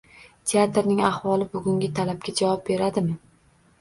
Teatrning ahvoli bugungi talabga javob beradimi?